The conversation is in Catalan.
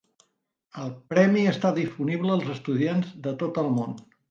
El premi està disponible als estudiants de tot el món.